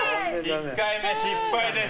１回目、失敗です。